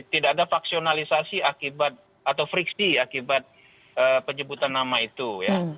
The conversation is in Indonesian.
tidak ada faksionalisasi akibat atau friksi akibat penjemputan nama itu ya